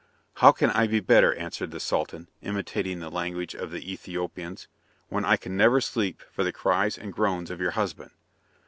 "How can I be better," answered the Sultan, imitating the language of the Ethiopians, "when I can never sleep for the cries and groans of your husband?"